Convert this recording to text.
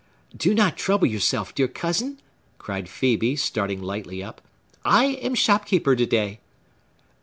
"Do not trouble yourself, dear cousin!" cried Phœbe, starting lightly up. "I am shop keeper to day."